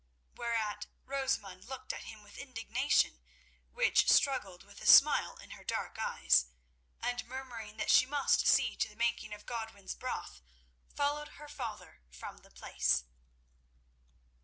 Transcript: Whereat Rosamund looked at him with indignation which struggled with a smile in her dark eyes, and murmuring that she must see to the making of Godwin's broth, followed her father from the place.